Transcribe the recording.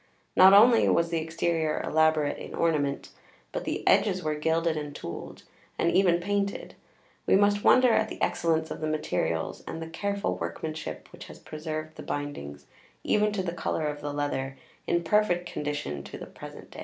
Not only was the exterior elaborate in ornament, but the edges were gilded and tooled; and even painted. We must wonder at the excellence of the materials and the careful workmanship which has preserved the bindings, even to the colour of the leather, in perfect condition to the present day.